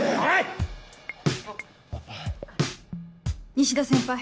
西田先輩